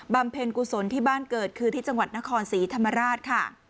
เพ็ญกุศลที่บ้านเกิดคือที่จังหวัดนครศรีธรรมราชค่ะ